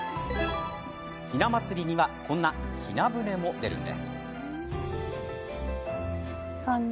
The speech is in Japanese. ひな祭りには、こんなひな舟も出るんです。